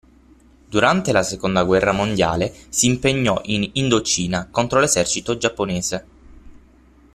Durante la seconda guerra mondiale si impegnò in Indocina contro l'esercito giapponese.